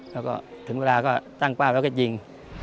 แล้วก็ถึงเวลาก็ตั้งเป้าแล้วก็ยิง